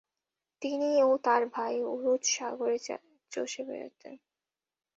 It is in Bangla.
তিনি ও তার ভাই উরুচ সাগরে চষে বেড়াতেন।